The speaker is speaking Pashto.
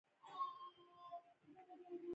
ټالبانو کوشش کوو چی د پښتنو سیمی نا امنه وساتی